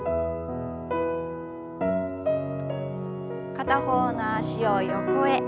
片方の脚を横へ。